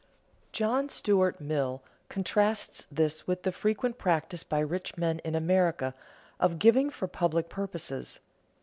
John Stuart Mill contrasts this with the frequent practice by rich men in America of giving for public purposes.